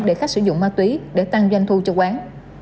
để khách sử dụng ma túy để tăng doanh thu cho quán